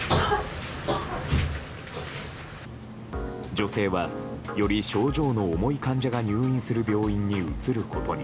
女性はより症状の重い患者が入院する病院に移ることに。